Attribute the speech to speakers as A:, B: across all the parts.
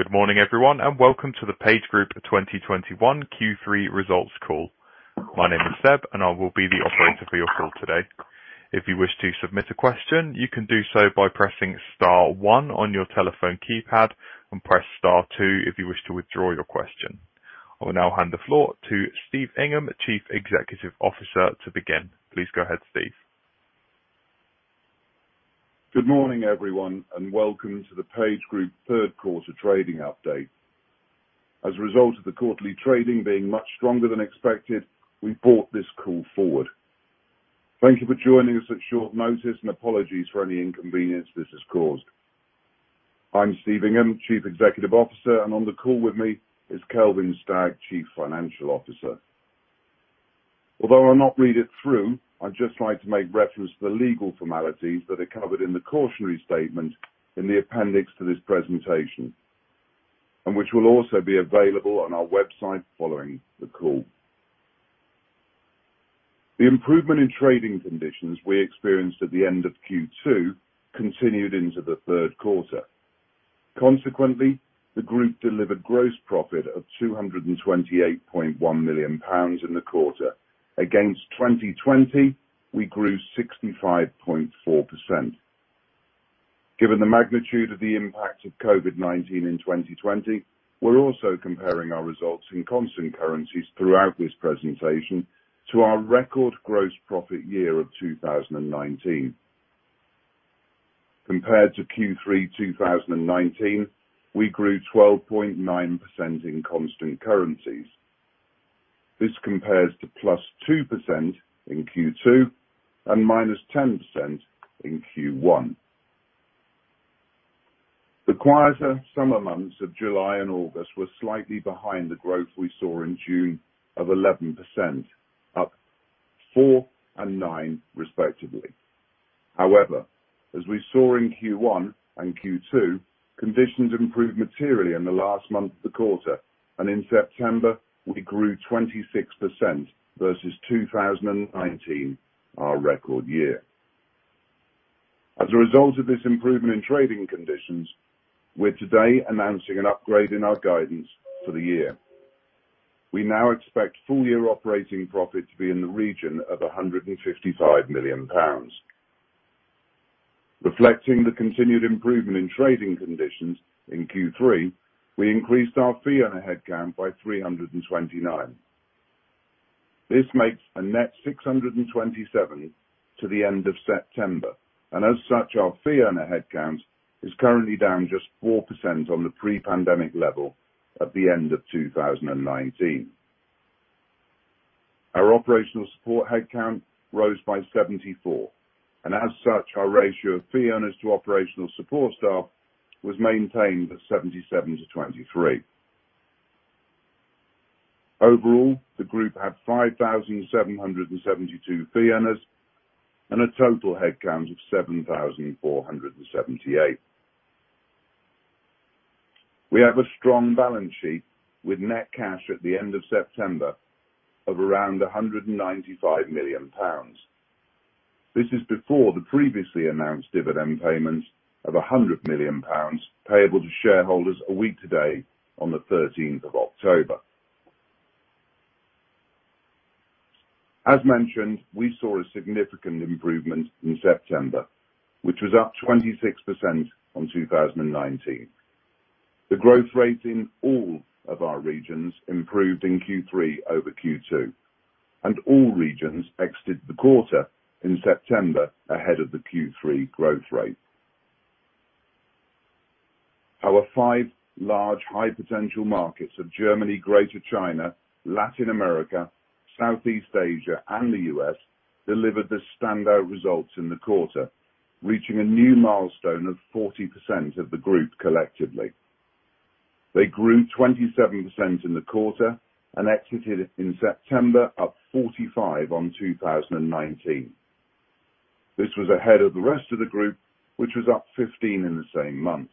A: Good morning, everyone, and welcome to the PageGroup 2021 Q3 Results Call. My name is Zeb, and I will be the operator for your call today. If you wish to submit a question, you can do so by pressing star one on your telephone keypad, and press star two if you wish to withdraw your question. I will now hand the floor to Steve Ingham, Chief Executive Officer, to begin. Please go ahead, Steve.
B: Good morning, everyone, and welcome to the PageGroup third quarter trading update. As a result of the quarterly trading being much stronger than expected, we brought this call forward. Thank you for joining us at short notice, and apologies for any inconvenience this has caused. I'm Steve Ingham, Chief Executive Officer, and on the call with me is Kelvin Stagg, Chief Financial Officer. Although I'll not read it through, I'd just like to make reference to the legal formalities that are covered in the cautionary statement in the appendix to this presentation, and which will also be available on our website following the call. The improvement in trading conditions we experienced at the end of Q2 continued into the third quarter. Consequently, the group delivered gross profit of 228.1 million pounds in the quarter. Against 2020, we grew 65.4%. Given the magnitude of the impact of COVID-19 in 2020, we're also comparing our results in constant currencies throughout this presentation to our record gross profit year of 2019. Compared to Q3 2019, we grew 12.9% in constant currencies. This compares to +2% in Q2 and -10% in Q1. The quieter summer months of July and August were slightly behind the growth we saw in June of 11%, up 4% and 9% respectively. As we saw in Q1 and Q2, conditions improved materially in the last month of the quarter, and in September, we grew 26% versus 2019, our record year. As a result of this improvement in trading conditions, we're today announcing an upgrade in our guidance for the year. We now expect full-year operating profit to be in the region of 155 million pounds. Reflecting the continued improvement in trading conditions in Q3, we increased our fee earner headcount by 329. This makes a net 627 to the end of September, and as such, our fee earner headcount is currently down just 4% on the pre-pandemic level at the end of 2019. Our operational support headcount rose by 74, and as such, our ratio of fee earners to operational support staff was maintained at 77:23. Overall, the group had 5,772 fee earners and a total headcount of 7,478. We have a strong balance sheet with net cash at the end of September of around 195 million pounds. This is before the previously announced dividend payment of 100 million pounds payable to shareholders a week today on the October 13th. As mentioned, we saw a significant improvement in September, which was up 26% on 2019. The growth rate in all of our regions improved in Q3 over Q2, and all regions exited the quarter in September ahead of the Q3 growth rate. Our five large high-potential markets of Germany, Greater China, Latin America, Southeast Asia, and the U.S., delivered the standout results in the quarter, reaching a new milestone of 40% of the group collectively. They grew 27% in the quarter and exited in September, up 45% on 2019. This was ahead of the rest of the group, which was up 15% in the same month.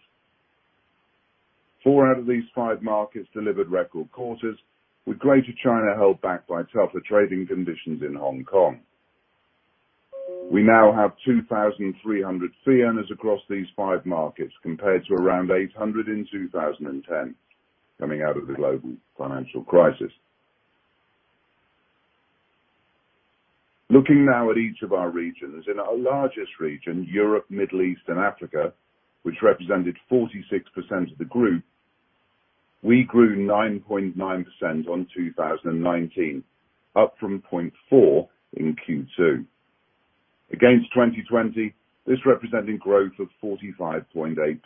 B: Four out of these five markets delivered record quarters, with Greater China held back by tougher trading conditions in Hong Kong. We now have 2,300 fee earners across these five markets compared to around 800 in 2010, coming out of the global financial crisis. Looking now at each of our regions, in our largest region, Europe, Middle East, and Africa, which represented 46% of the group, we grew 9.9% on 2019, up from 0.4% in Q2. Against 2020, this representing growth of 45.8%.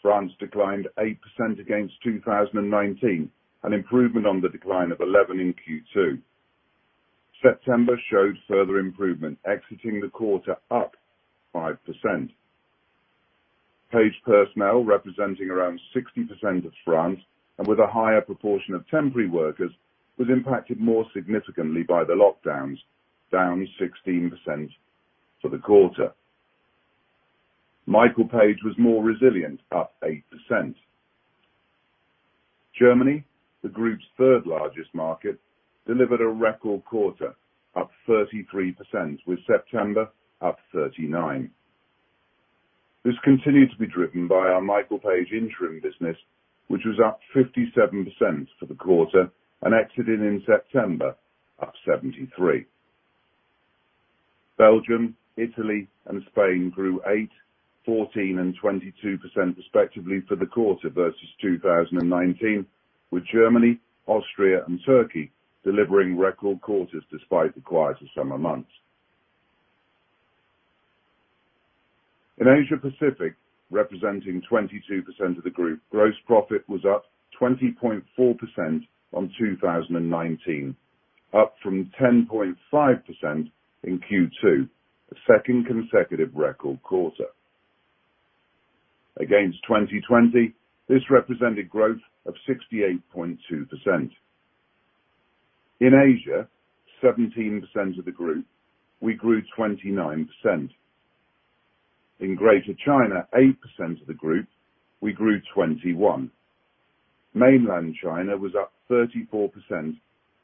B: France declined 8% against 2019, an improvement on the decline of 11% in Q2. September showed further improvement, exiting the quarter up 5%. Page Personnel, representing around 16% of France and with a higher proportion of temporary workers, was impacted more significantly by the lockdowns, down 16% for the quarter. Michael Page was more resilient, up 8%. Germany, the group's third largest market, delivered a record quarter, up 33%, with September up 39%. This continued to be driven by our Michael Page Interim business, which was up 57% for the quarter and exited in September up 73%. Belgium, Italy, and Spain grew 8%, 14% and 22% respectively for the quarter versus 2019, with Germany, Austria, and Turkey delivering record quarters despite the quieter summer months. In Asia Pacific, representing 22% of the group, gross profit was up 20.4% on 2019, up from 10.5% in Q2, a second consecutive record quarter. Against 2020, this represented growth of 68.2%. In Asia, 17% of the group, we grew 29%. In Greater China, 8% of the group, we grew 21%. Mainland China was up 34%,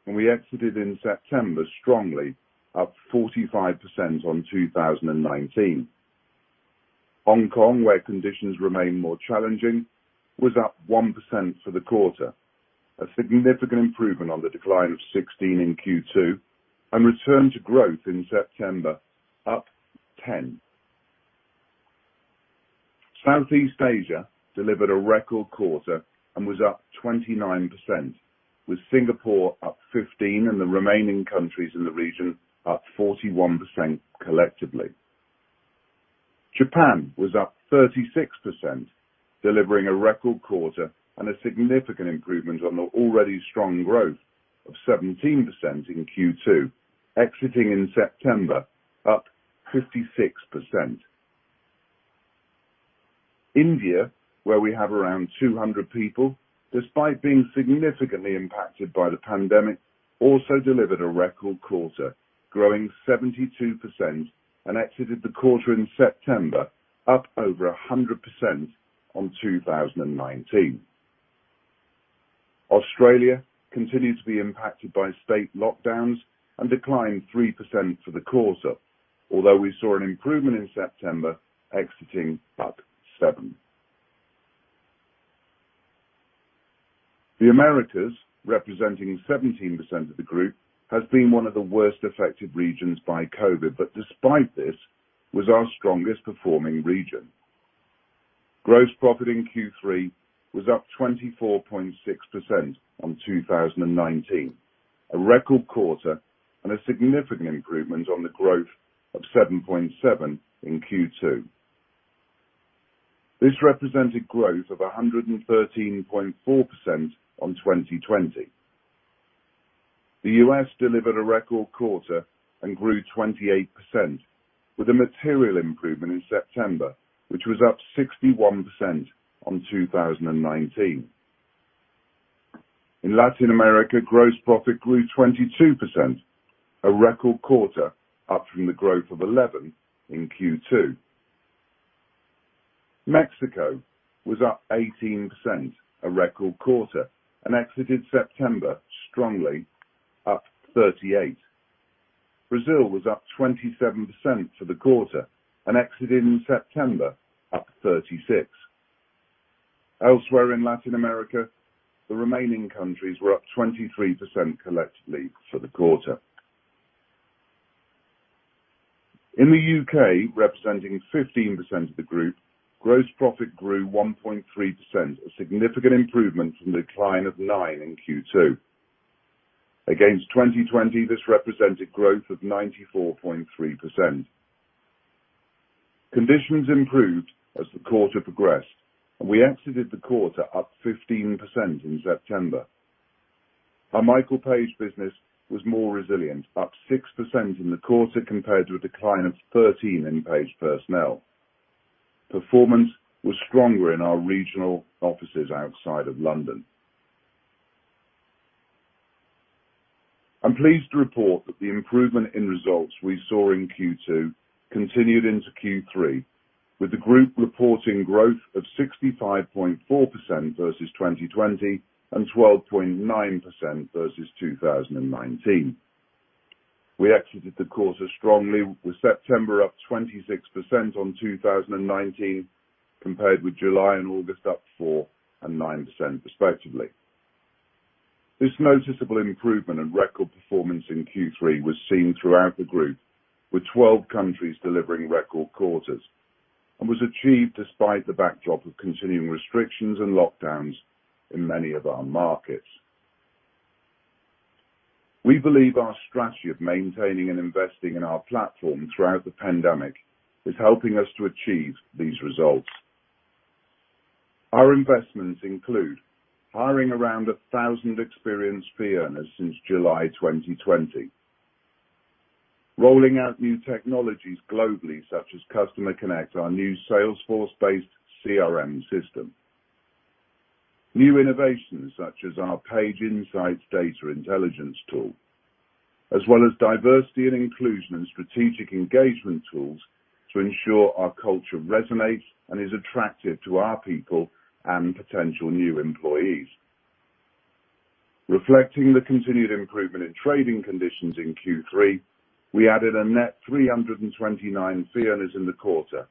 B: and we exited in September strongly, up 45% on 2019. Hong Kong, where conditions remain more challenging, was up 1% for the quarter, a significant improvement on the decline of 16% in Q2, and returned to growth in September, up 10%. Southeast Asia delivered a record quarter and was up 29%, with Singapore up 15% and the remaining countries in the region up 41% collectively. Japan was up 36%, delivering a record quarter and a significant improvement on the already strong growth of 17% in Q2, exiting in September up 56%. India, where we have around 200 people, despite being significantly impacted by the pandemic, also delivered a record quarter, growing 72%, and exited the quarter in September up over 100% on 2019. Australia continued to be impacted by state lockdowns and declined 3% for the quarter, although we saw an improvement in September exiting up 7%. The Americas, representing 17% of the group, has been one of the worst affected regions by COVID-19, but despite this, was our strongest performing region. Gross profit in Q3 was up 24.6% on 2019, a record quarter and a significant improvement on the growth of 7.7% in Q2. This represented growth of 113.4% on 2020. The U.S. delivered a record quarter and grew 28%, with a material improvement in September, which was up 61% on 2019. In Latin America, gross profit grew 22%, a record quarter up from the growth of 11% in Q2. Mexico was up 18%, a record quarter, and exited September strongly up 38%. Brazil was up 27% for the quarter and exited in September up 36%. Elsewhere in Latin America, the remaining countries were up 23% collectively for the quarter. In the U.K., representing 15% of the group, gross profit grew 1.3%, a significant improvement from the decline of 9% in Q2. Against 2020, this represented growth of 94.3%. Conditions improved as the quarter progressed, and we exited the quarter up 15% in September. Our Michael Page business was more resilient, up 6% in the quarter compared to a decline of 13% in Page Personnel. Performance was stronger in our regional offices outside of London. I'm pleased to report that the improvement in results we saw in Q2 continued into Q3, with the group reporting growth of 65.4% versus 2020 and 12.9% versus 2019. We exited the quarter strongly with September up 26% on 2019, compared with July and August up 4% and 9% respectively. This noticeable improvement and record performance in Q3 was seen throughout the group with 12 countries delivering record quarters and was achieved despite the backdrop of continuing restrictions and lockdowns in many of our markets. We believe our strategy of maintaining and investing in our platform throughout the pandemic is helping us to achieve these results. Our investments include hiring around 1,000 experienced fee earners since July 2020, rolling out new technologies globally, such as Customer Connect, our new Salesforce-based CRM system, new innovations such as our Page Insights data intelligence tool. As well as diversity and inclusion and strategic engagement tools to ensure our culture resonates and is attractive to our people and potential new employees. Reflecting the continued improvement in trading conditions in Q3, we added a net 329 fee earners in the quarter,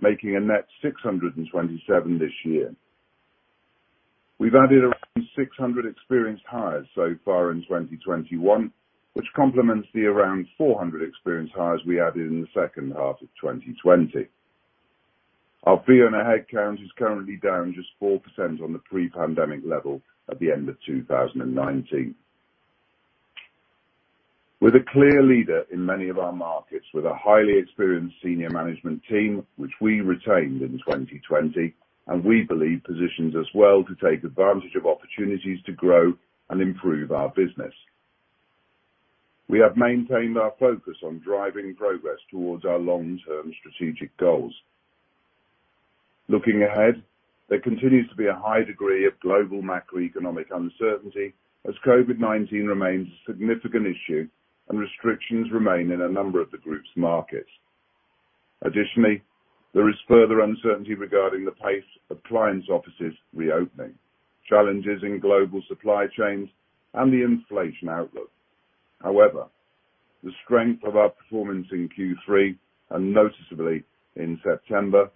B: making a net 627 this year. We've added around 600 experienced hires so far in 2021, which complements the around 400 experienced hires we added in the second half of 2020. Our fee earner headcount is currently down just 4% on the pre-pandemic level at the end of 2019. We're the clear leader in many of our markets, with a highly experienced senior management team, which we retained in 2020, and we believe positions us well to take advantage of opportunities to grow and improve our business. We have maintained our focus on driving progress towards our long-term strategic goals. Looking ahead, there continues to be a high degree of global macroeconomic uncertainty as COVID-19 remains a significant issue and restrictions remain in a number of the group's markets. There is further uncertainty regarding the pace of clients' offices reopening, challenges in global supply chains, and the inflation outlook. The strength of our performance in Q3, noticeably in September,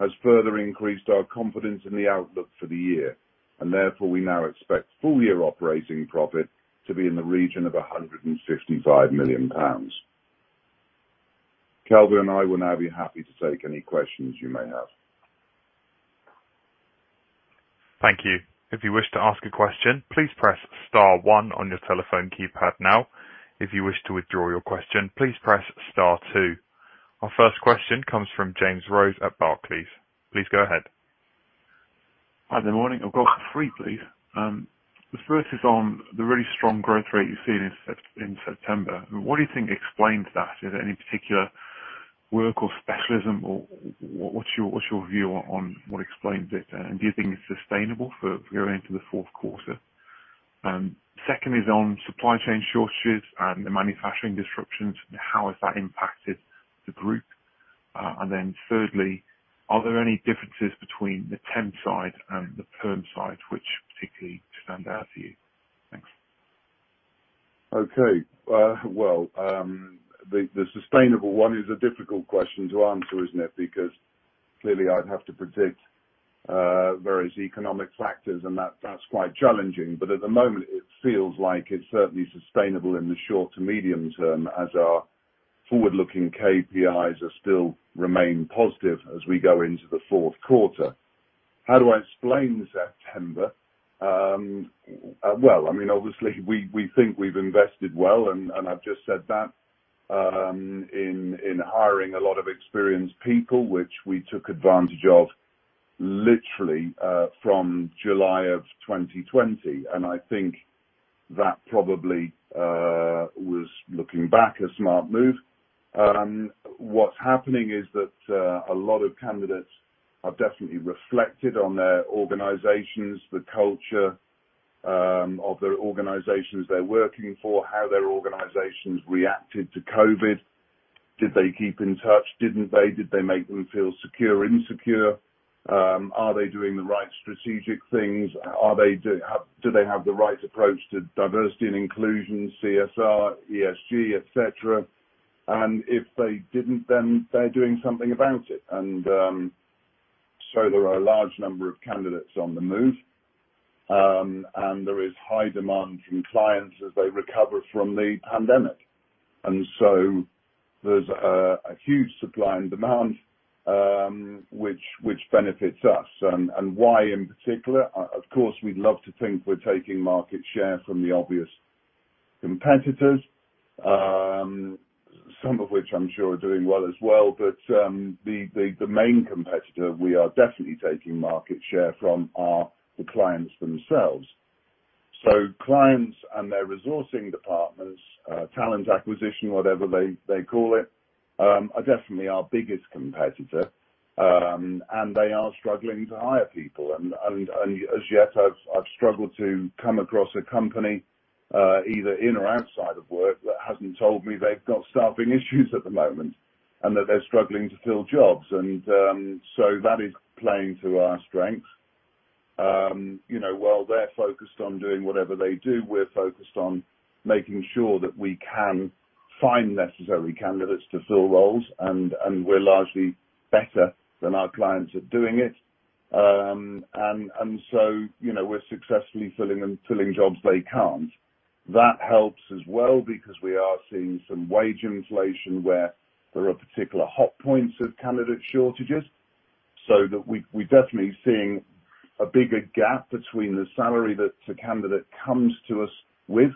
B: has further increased our confidence in the outlook for the year. Therefore, we now expect full-year operating profit to be in the region of 165 million pounds. Kelvin and I will now be happy to take any questions you may have.
A: Thank you. If you wish to ask a question, please press star one on your telephone keypad now. If you wish to withdraw your question, please press star two. Our first question comes from James Rose at Barclays. Please go ahead.
C: Hi there. Morning. I've got three, please. The first is on the really strong growth rate you've seen in September. What do you think explains that? Is there any particular work or specialism, or what's your view on what explains it? Do you think it's sustainable for going into the fourth quarter? Second is on supply chain shortages and the manufacturing disruptions, how has that impacted the group? Thirdly, are there any differences between the temp side and the perm side which particularly stand out to you? Thanks.
B: Okay. Well, the sustainable one is a difficult question to answer, isn't it? Clearly I'd have to predict various economic factors, and that's quite challenging. At the moment it feels like it's certainly sustainable in the short to medium term as our forward-looking KPIs still remain positive as we go into the fourth quarter. How do I explain September? Well, obviously, we think we've invested well, and I've just said that, in hiring a lot of experienced people, which we took advantage of literally from July of 2020. I think that probably was, looking back, a smart move. What's happening is that a lot of candidates have definitely reflected on their organizations, the culture of their organizations they're working for, how their organizations reacted to COVID. Did they keep in touch? Didn't they? Did they make them feel secure or insecure? Are they doing the right strategic things? Do they have the right approach to diversity and inclusion, CSR, ESG, et cetera? If they didn't, then they're doing something about it. There are a large number of candidates on the move. There is high demand from clients as they recover from the pandemic. There's a huge supply and demand, which benefits us. Why in particular? Of course, we'd love to think we're taking market share from the obvious competitors, some of which I'm sure are doing well as well. The main competitor we are definitely taking market share from are the clients themselves. Clients and their resourcing departments, talent acquisition, whatever they call it, are definitely our biggest competitor. They are struggling to hire people. As yet, I've struggled to come across a company, either in or outside of work, that hasn't told me they've got staffing issues at the moment, and that they're struggling to fill jobs. That is playing to our strengths. While they're focused on doing whatever they do, we're focused on making sure that we can find necessary candidates to fill roles, and we're largely better than our clients at doing it. We're successfully filling jobs they can't. That helps as well because we are seeing some wage inflation where there are particular hot points of candidate shortages, that we're definitely seeing a bigger gap between the salary that the candidate comes to us with,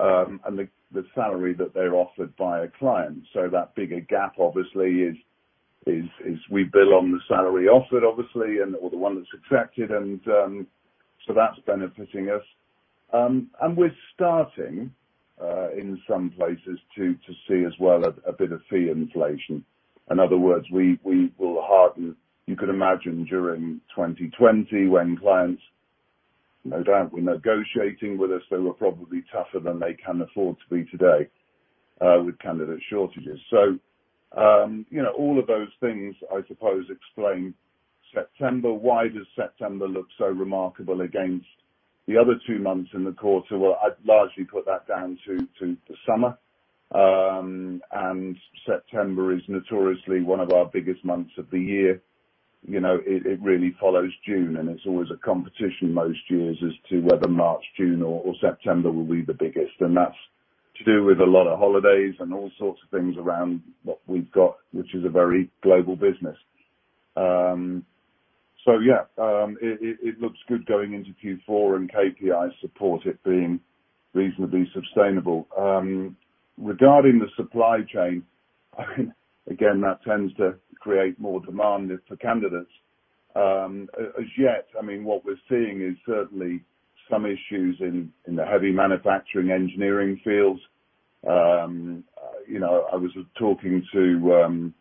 B: and the salary that they're offered by a client. That bigger gap, obviously, is we bill on the salary offered, obviously, or the one that's accepted. That's benefiting us. And we're starting in some places to see as well a bit of fee inflation. In other words, we will harden. You can imagine during 2020 when clients, no doubt, were negotiating with us, they were probably tougher than they can afford to be today, with candidate shortages. All of those things, I suppose, explain September. Why does September look so remarkable against the other two months in the quarter? Well, I largely put that down to the summer. September is notoriously one of our biggest months of the year. It really follows June, and it's always a competition most years as to whether March, June, or September will be the biggest. That's to do with a lot of holidays and all sorts of things around what we've got, which is a very global business. Yeah, it looks good going into Q4, and KPI support it being reasonably sustainable. Regarding the supply chain, again, that tends to create more demand for candidates. As yet, what we're seeing is certainly some issues in the heavy manufacturing engineering fields. I was talking to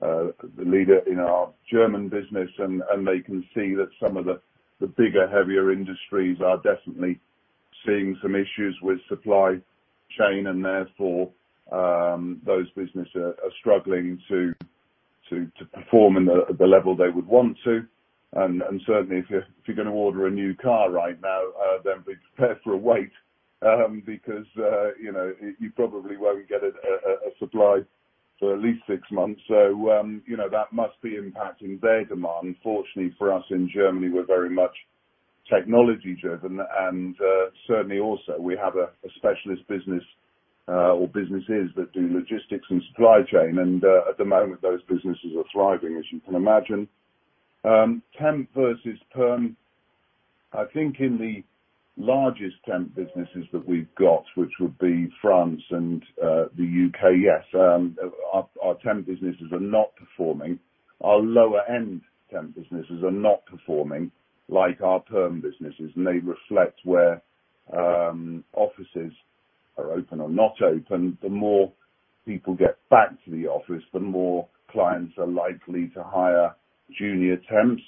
B: the leader in our German business, and they can see that some of the bigger, heavier industries are definitely seeing some issues with supply chain, and therefore, those businesses are struggling to perform at the level they would want to. Certainly, if you're going to order a new car right now, then be prepared for a wait, because you probably won't get a supply for at least six months. That must be impacting their demand. Fortunately for us in Germany, we're very much technology-driven. Certainly also we have a specialist business, or businesses that do logistics and supply chain. At the moment, those businesses are thriving, as you can imagine. Temp versus perm. I think in the largest temp businesses that we've got, which would be France and the U.K., yes, our temp businesses are not performing. Our lower-end temp businesses are not performing like our perm businesses. They reflect where offices are open or not open. The more people get back to the office, the more clients are likely to hire junior temps.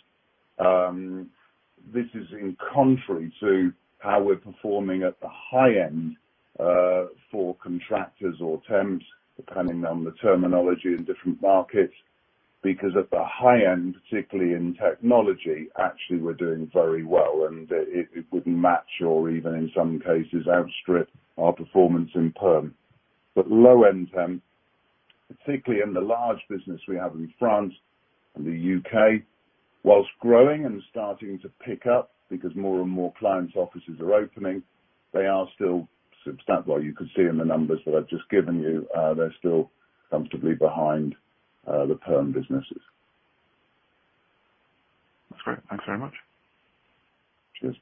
B: This is in contrary to how we're performing at the high end for contractors or temps, depending on the terminology in different markets. At the high end, particularly in technology, actually, we're doing very well. It would match or even in some cases outstrip our performance in perm. Low-end temp, particularly in the large business we have in France and the U.K., whilst growing and starting to pick up because more and more clients' offices are opening, they are still substantial. You can see in the numbers that I've just given you, they're still comfortably behind the perm businesses.
C: That's great. Thanks very much.
B: Sure.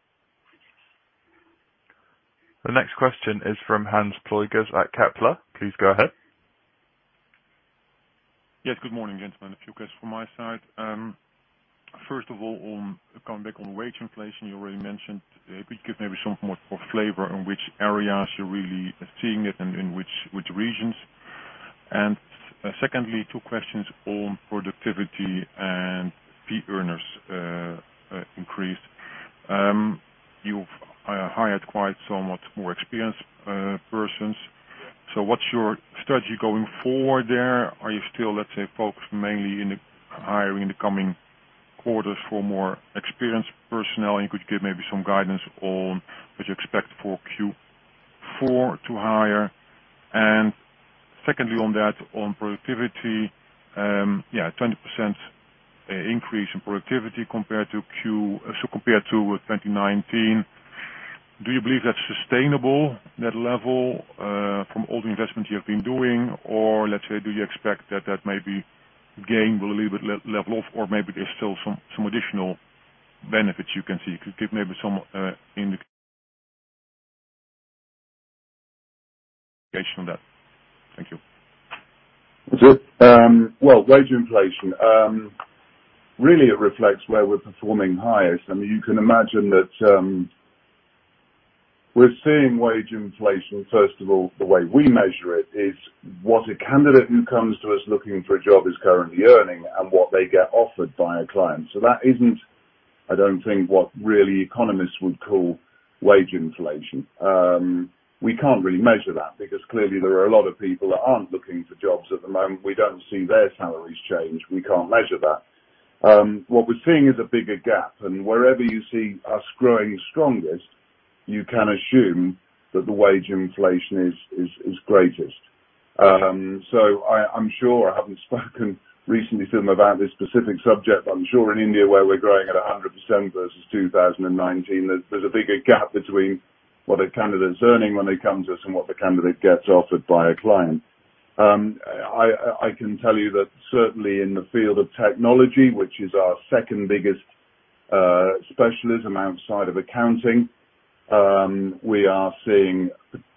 A: The next question is from Hans Pluijgers at Kepler. Please go ahead.
D: Yes. Good morning, gentlemen. A few questions from my side. First of all, on coming back on wage inflation, you already mentioned. Could you give maybe some more flavor in which areas you're really seeing it and in which regions? Secondly, two questions on productivity and fee earners increase. You've hired quite somewhat more experienced persons. What's your strategy going forward there? Are you still, let's say, focused mainly in the hiring in the coming quarters for more experienced personnel? You could give maybe some guidance on what you expect for Q4 to hire. Secondly, on that, on productivity, yeah, 20% increase in productivity compared to 2019. Do you believe that's sustainable, that level, from all the investments you have been doing? Let's say, do you expect that maybe gain will a little bit level off, or maybe there's still some additional benefits you can see? You could give maybe some indication on that. Thank you.
B: Sure. Well, wage inflation. Really it reflects where we're performing highest. You can imagine that we're seeing wage inflation, first of all, the way we measure it is what a candidate who comes to us looking for a job is currently earning and what they get offered by a client. That isn't, I don't think, what really economists would call wage inflation. We can't really measure that because clearly there are a lot of people that aren't looking for jobs at the moment. We don't see their salaries change. We can't measure that. What we're seeing is a bigger gap, and wherever you see us growing strongest, you can assume that the wage inflation is greatest. I'm sure, I haven't spoken recently to them about this specific subject, but I'm sure in India, where we're growing at 100% versus 2019, there's a bigger gap between what a candidate's earning when they come to us and what the candidate gets offered by a client. I can tell you that certainly in the field of technology, which is our second biggest specialism outside of accounting, we are seeing,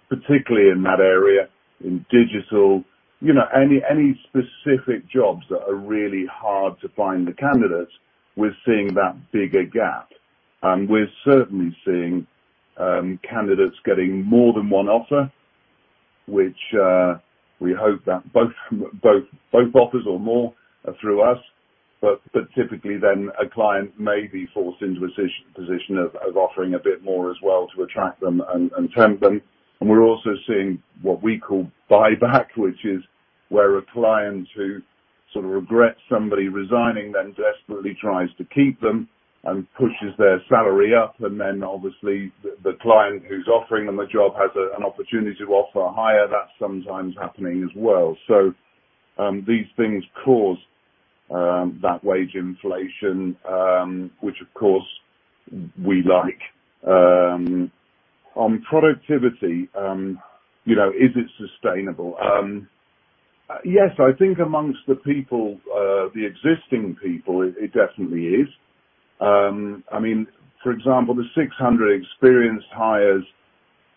B: particularly in that area, in digital, any specific jobs that are really hard to find the candidates, we're seeing that bigger gap. We're certainly seeing candidates getting more than one offer, which we hope that both offers or more are through us. Typically, then a client may be forced into a position of offering a bit more as well to attract them and tempt them. We're also seeing what we call buyback, which is where a client who sort of regrets somebody resigning then desperately tries to keep them and pushes their salary up, and then obviously the client who's offering them a job has an opportunity to offer higher, that's sometimes happening as well. These things cause that wage inflation, which of course, we like. On productivity, is it sustainable? Yes, I think amongst the existing people, it definitely is. For example, the 600 experienced hires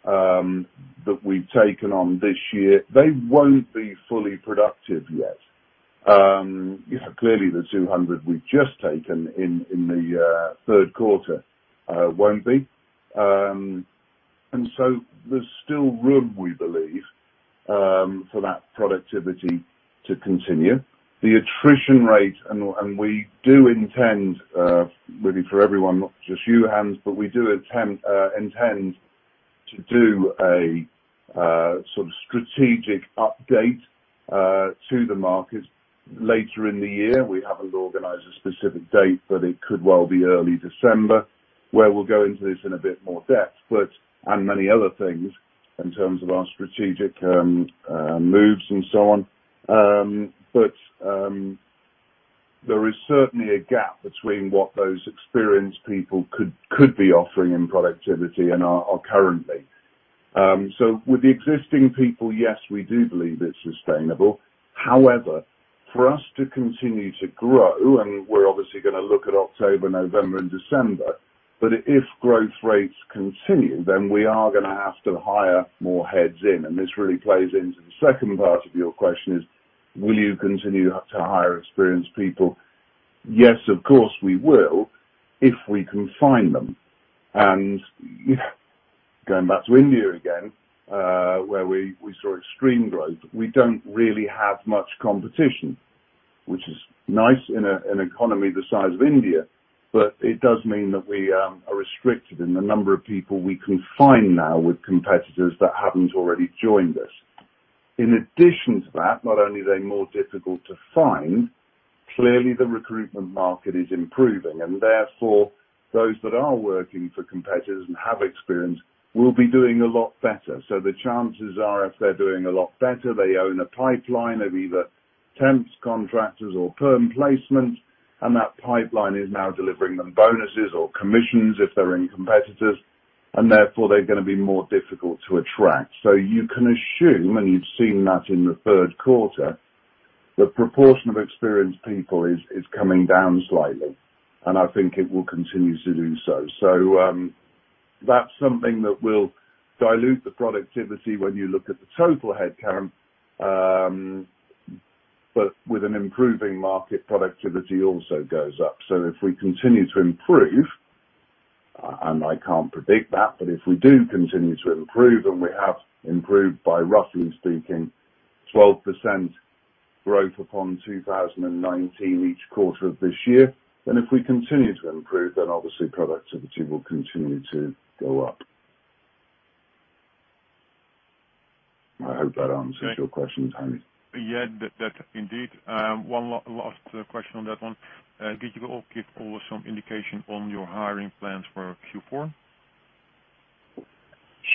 B: that we've taken on this year, they won't be fully productive yet. Clearly, the 200 we've just taken in the third quarter won't be. There's still room, we believe, for that productivity to continue. The attrition rate, and we do intend, really for everyone, not just you, Hans, but we do intend to do a sort of strategic update to the market later in the year. We haven't organized a specific date, but it could well be early December, where we'll go into this in a bit more depth, and many other things in terms of our strategic moves and so on. There is certainly a gap between what those experienced people could be offering in productivity and are currently. With the existing people, yes, we do believe it's sustainable. However, for us to continue to grow, and we're obviously going to look at October, November, and December, but if growth rates continue, then we are going to have to hire more heads in. This really plays into the second part of your question is, will you continue to hire experienced people? Yes, of course, we will, if we can find them. Going back to India again, where we saw extreme growth, we don't really have much competition, which is nice in an economy the size of India, but it does mean that we are restricted in the number of people we can find now with competitors that haven't already joined us. In addition to that, not only are they more difficult to find, clearly the recruitment market is improving, and therefore, those that are working for competitors and have experience will be doing a lot better. The chances are, if they're doing a lot better, they own a pipeline of either temps, contractors or perm placement, and that pipeline is now delivering them bonuses or commissions if they're in competitors, and therefore they're going to be more difficult to attract. You can assume, and you've seen that in the third quarter, the proportion of experienced people is coming down slightly, and I think it will continue to do so. That's something that will dilute the productivity when you look at the total headcount. With an improving market, productivity also goes up. If we continue to improve, and I can't predict that, but if we do continue to improve, and we have improved by, roughly speaking, 12% growth upon 2019 each quarter of this year, then if we continue to improve, then obviously productivity will continue to go up. I hope that answers your question, Hans.
D: Yeah, indeed. One last question on that one. Did you give us some indication on your hiring plans for Q4?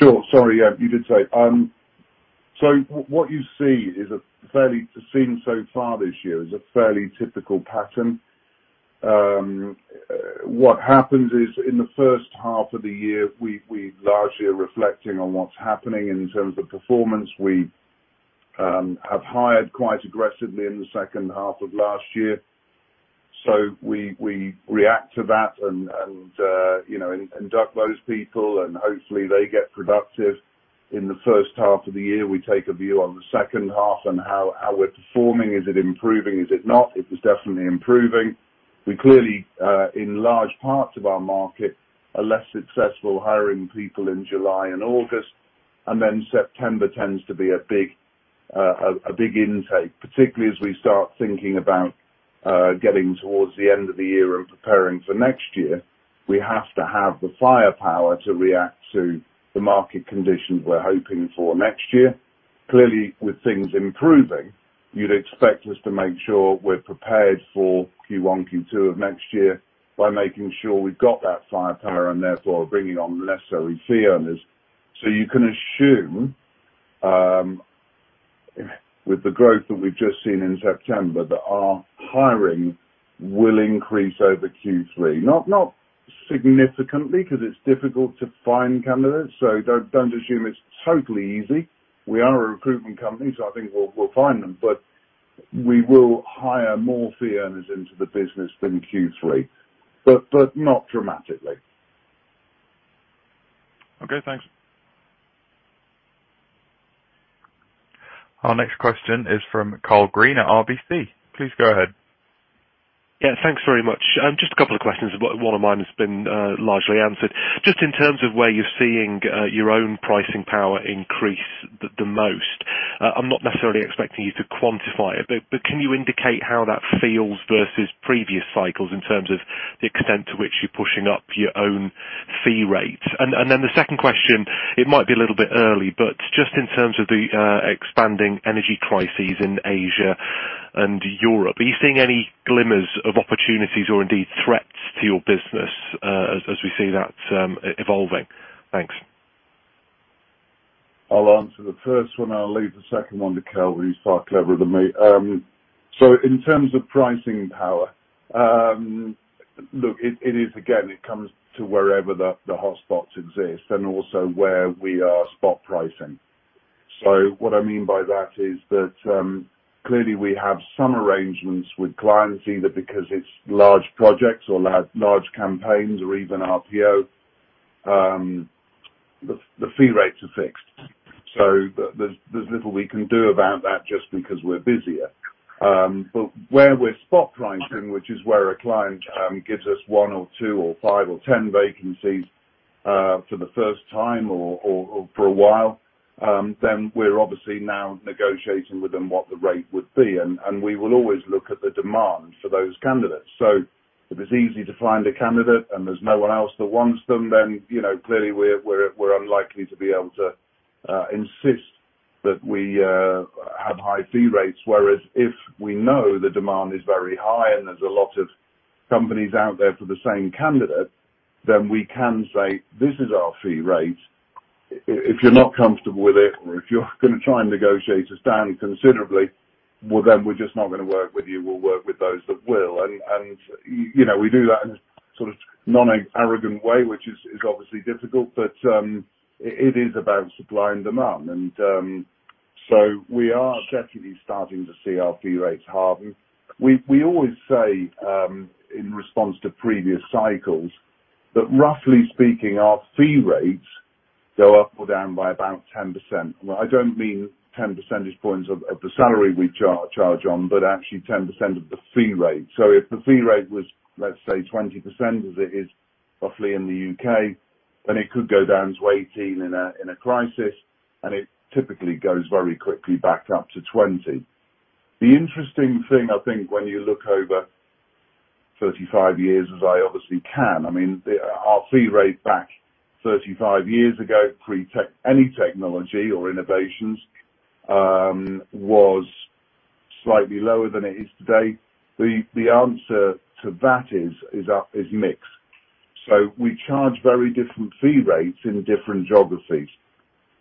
B: Sure. Sorry, yeah, you did say. What you've seen so far this year is a fairly typical pattern. What happens is in the first half of the year, we largely are reflecting on what's happening in terms of performance. We have hired quite aggressively in the second half of last year. We react to that and induct those people, and hopefully, they get productive in the first half of the year. We take a view on the second half and how we're performing. Is it improving? Is it not? It was definitely improving. We clearly, in large parts of our market, are less successful hiring people in July and August, and then September tends to be a big intake, particularly as we start thinking about getting towards the end of the year and preparing for next year. We have to have the firepower to react to the market conditions we're hoping for next year. Clearly, with things improving, you'd expect us to make sure we're prepared for Q1, Q2 of next year by making sure we've got that firepower and therefore bringing on the necessary fee earners. You can assume, with the growth that we've just seen in September, that our hiring will increase over Q3. Not significantly, because it's difficult to find candidates, so don't assume it's totally easy. We are a recruitment company, so I think we'll find them, but we will hire more fee earners into the business than Q3, but not dramatically.
D: Okay, thanks.
A: Our next question is from Karl Green at RBC. Please go ahead.
E: Yeah, thanks very much. Just a couple of questions, one of mine has been largely answered. Just in terms of where you're seeing your own pricing power increase the most. I'm not necessarily expecting you to quantify it, but can you indicate how that feels versus previous cycles in terms of the extent to which you're pushing up your own fee rates? The second question, it might be a little bit early, but just in terms of the expanding energy crises in Asia and Europe, are you seeing any glimmers of opportunities or indeed threats to your business as we see that evolving? Thanks.
B: I'll answer the first one. I'll leave the second one to Kelvin. He's far cleverer than me. In terms of pricing power, look, again, it comes to wherever the hotspots exist and also where we are spot pricing. What I mean by that is that, clearly we have some arrangements with clients, either because it's large projects or large campaigns or even RPO, the fee rates are fixed. There's little we can do about that just because we're busier. Where we're spot pricing, which is where a client gives us one or two or five or 10 vacancies for the first time or for a while, then we're obviously now negotiating with them what the rate would be. We will always look at the demand for those candidates. If it's easy to find a candidate and there's no one else that wants them, then clearly we're unlikely to be able to insist that we have high fee rates. Whereas if we know the demand is very high and there's a lot of companies out there for the same candidate, then we can say, "This is our fee rate. If you're not comfortable with it or if you're going to try and negotiate us down considerably, we're just not going to work with you. We'll work with those that will." We do that in a non-arrogant way, which is obviously difficult, but it is about supply and demand. We are definitely starting to see our fee rates harden. We always say, in response to previous cycles, that roughly speaking, our fee rates go up or down by about 10%. I don't mean 10 percentage points of the salary we charge on, but actually 10% of the fee rate. If the fee rate was, let's say, 20%, as it is roughly in the U.K., then it could go down to 18% in a crisis, and it typically goes very quickly back up to 20%. The interesting thing, I think, when you look over 35 years as I obviously can, our fee rate back 35 years ago, pre any technology or innovations, was slightly lower than it is today. The answer to that is mixed. We charge very different fee rates in different geographies,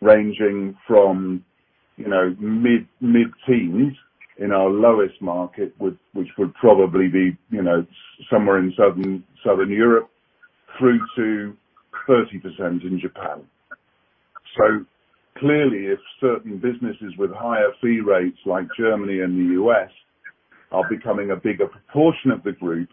B: ranging from mid-teens in our lowest market, which would probably be somewhere in Southern Europe, through to 30% in Japan. Clearly, if certain businesses with higher fee rates, like Germany and the U.S., are becoming a bigger proportion of the group,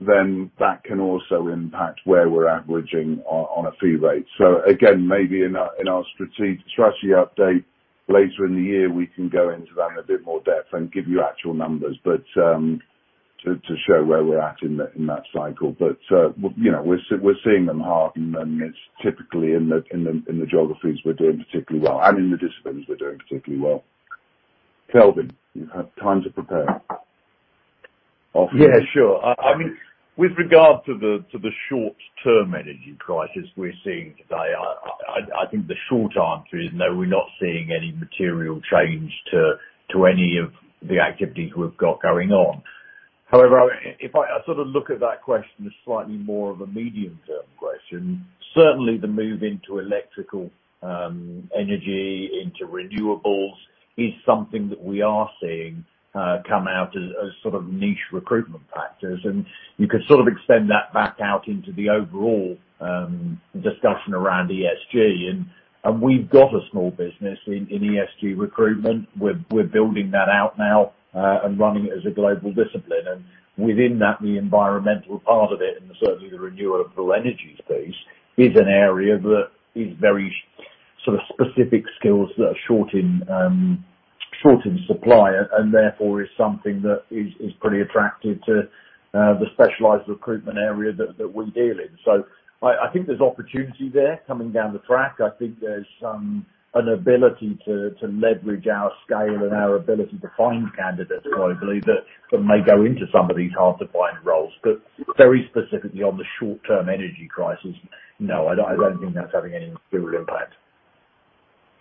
B: that can also impact where we're averaging on a fee rate. Again, maybe in our strategy update later in the year, we can go into that in a bit more depth and give you actual numbers to show where we're at in that cycle. We're seeing them harden, and it's typically in the geographies we're doing particularly well and in the disciplines we're doing particularly well. Kelvin, you've had time to prepare.
F: Yeah, sure. With regard to the short-term energy crisis we're seeing today, I think the short answer is no, we're not seeing any material change to any of the activities we've got going on. If I look at that question as slightly more of a medium-term question, certainly the move into electrical energy, into renewables is something that we are seeing come out as niche recruitment factors. You could extend that back out into the overall discussion around ESG. We've got a small business in ESG recruitment. We're building that out now and running it as a global discipline. Within that, the environmental part of it, and certainly the renewable energy space, is an area that is very specific skills that are short in supply and therefore is something that is pretty attractive to the specialized recruitment area that we deal in. I think there's opportunity there coming down the track. I think there's an ability to leverage our scale and our ability to find candidates globally that may go into some of these hard-to-find roles. Very specifically on the short-term energy crisis, no, I don't think that's having any material impact.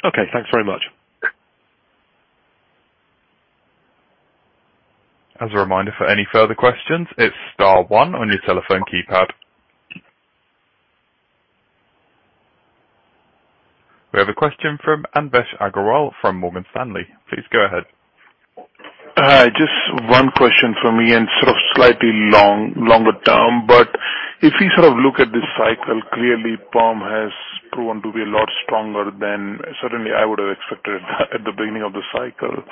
E: Okay. Thanks very much.
A: As a reminder, for any further questions, it's star one on your telephone keypad. We have a question from Anvesh Agrawal from Morgan Stanley. Please go ahead.
G: Hi. Just one question from me and sort of slightly longer term. If we look at this cycle, clearly, perm has proven to be a lot stronger than certainly I would have expected at the beginning of the cycle.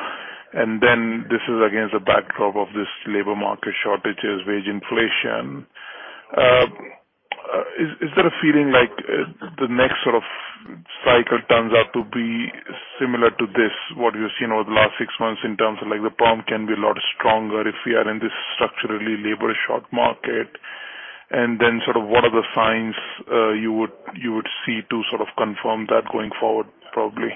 G: This is against the backdrop of this labor market shortages, wage inflation. Is there a feeling like the next sort of cycle turns out to be similar to this, what you've seen over the last six months in terms of the perm can be a lot stronger if we are in this structurally labor short market? Sort of what are the signs you would see to sort of confirm that going forward, probably?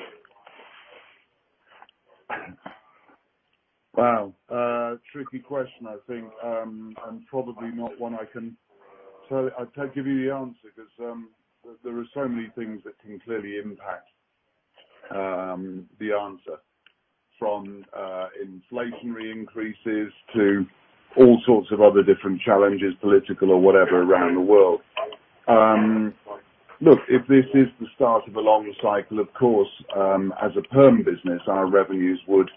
B: Wow. Tricky question, I think, and probably not one I can give you the answer because there are so many things that can clearly impact the answer, from inflationary increases to all sorts of other different challenges, political or whatever, around the world. Look, if this is the start of a long cycle, of course, as a perm business, our revenues would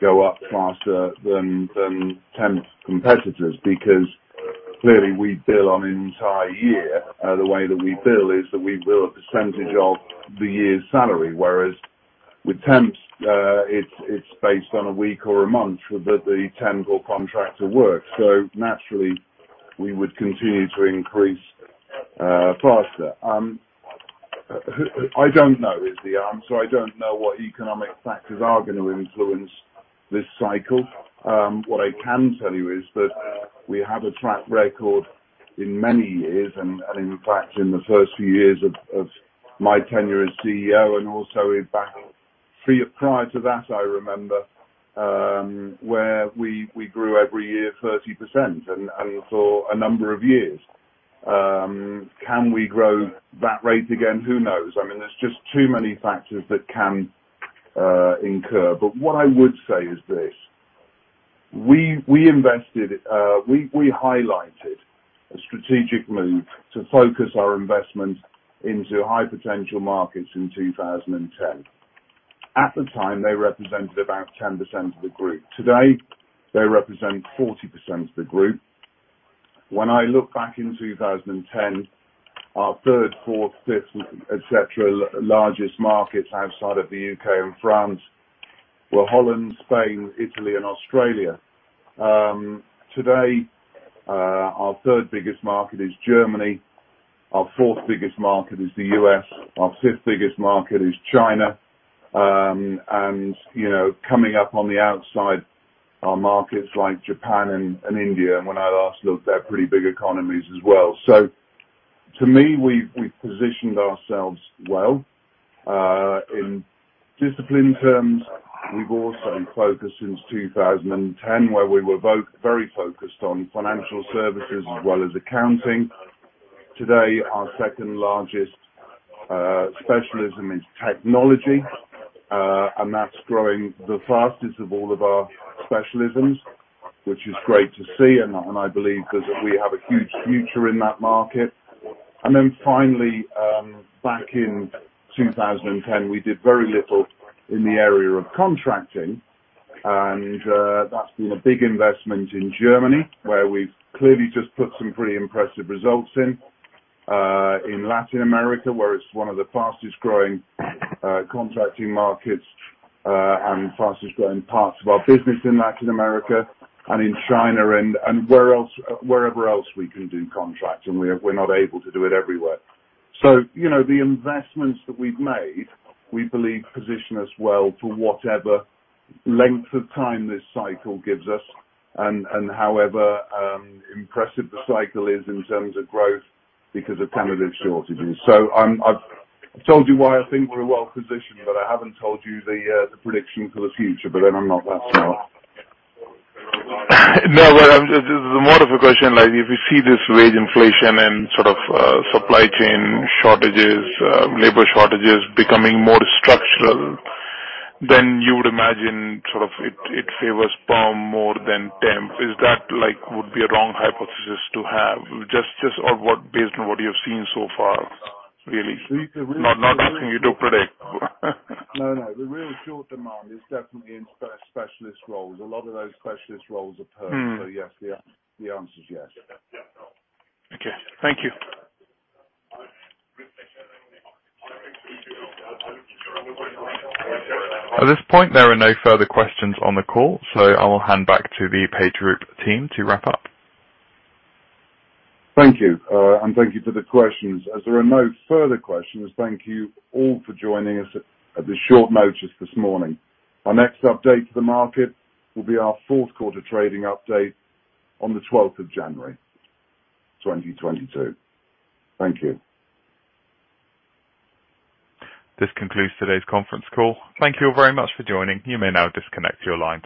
B: go up faster than temp competitors, because clearly we bill on an entire year. The way that we bill is that we bill a percentage of the year's salary, whereas with temps, it's based on a week or a month that the temp or contractor works. Naturally, we would continue to increase faster. I don't know, is the answer. I don't know what economic factors are going to influence this cycle. What I can tell you is that we have a track record in many years, and in fact, in the first few years of my tenure as CEO and also in fact, prior to that, I remember, where we grew every year 30% and for a number of years. Can we grow that rate again? Who knows? I mean, there's just too many factors that can occur. What I would say is this. We highlighted a strategic move to focus our investment into high-potential markets in 2010. At the time, they represented about 10% of the group. Today, they represent 40% of the group. When I look back in 2010, our third, fourth, fifth, et cetera, largest markets outside of the U.K. and France were Holland, Spain, Italy and Australia. Today, our third biggest market is Germany, our fourth biggest market is the U.S., our fifth biggest market is China. Coming up on the outside are markets like Japan and India. When I last looked, they're pretty big economies as well. To me, we've positioned ourselves well. In discipline terms, we've also been focused since 2010, where we were very focused on financial services as well as accounting. Today, our second largest specialism is technology, and that's growing the fastest of all of our specialisms, which is great to see, and I believe that we have a huge future in that market. Finally, back in 2010, we did very little in the area of contracting, and that's been a big investment in Germany, where we've clearly just put some pretty impressive results in Latin America, where it's one of the fastest growing contracting markets and fastest growing parts of our business in Latin America and in China and wherever else we can do contracts, and we're not able to do it everywhere. The investments that we've made, we believe, position us well for whatever length of time this cycle gives us and however impressive the cycle is in terms of growth because of candidate shortages. I've told you why I think we're well-positioned, but I haven't told you the prediction for the future. I'm not that smart.
G: No, this is more of a question, like if you see this wage inflation and sort of supply chain shortages, labor shortages becoming more structural, then you would imagine it favors perm more than temp. Is that would be a wrong hypothesis to have, just based on what you've seen so far, really, not asking you to predict?
B: No, no. The real short demand is definitely in specialist roles. A lot of those specialist roles are perm. Yes. The answer is yes.
G: Okay. Thank you.
A: At this point, there are no further questions on the call, so I will hand back to the PageGroup team to wrap up.
B: Thank you. Thank you for the questions. As there are no further questions, thank you all for joining us at this short notice this morning. Our next update to the market will be our fourth quarter trading update on the January 12th 2022. Thank you.
A: This concludes today's conference call. Thank you very much for joining. You may now disconnect your lines.